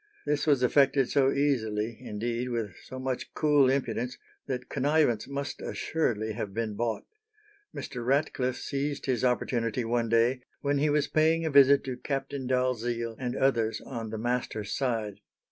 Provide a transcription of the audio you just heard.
This was effected so easily, indeed, with so much cool impudence, that connivance must assuredly have been bought. Mr. Ratcliffe seized his opportunity one day when he was paying a visit to Captain Dalziel and others on the master's side.